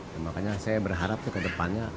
ya makanya saya berharap tuh ke depannya